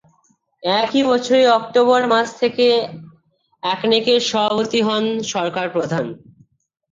একই বছরের অক্টোবর মাস থেকে একনেক-এর সভাপতি হন সরকার প্রধান।